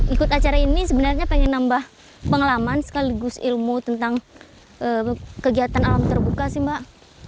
ikut acara ini sebenarnya pengen nambah pengalaman sekaligus ilmu tentang kegiatan alam terbuka sih mbak